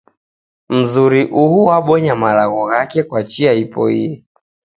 Mzuri uhu wabonya malagho ghake kwa chia ipoie.